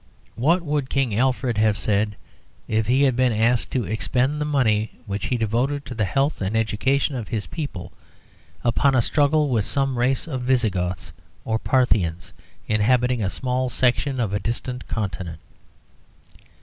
What would King Alfred have said if he had been asked to expend the money which he devoted to the health and education of his people upon a struggle with some race of Visigoths or Parthians inhabiting a small section of a distant continent?